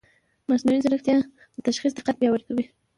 مصنوعي ځیرکتیا د تشخیص دقت پیاوړی کوي.